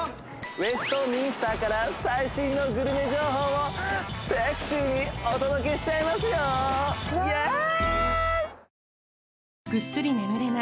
ウエストミンスターから最新のグルメ情報をセクシーにお届けしちゃいますよイエース！